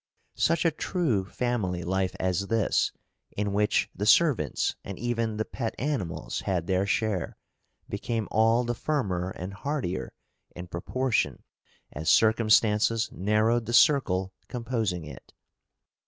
Such a true {EARLY MANHOOD.} (330) family life as this, in which the servants and even the pet animals had their share, became all the firmer and heartier in proportion as circumstances narrowed the circle composing it.